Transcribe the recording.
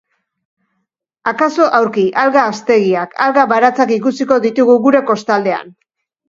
Akaso aurki, alga haztegiak, alga baratzak ikusiko ditugu gure kostaldean.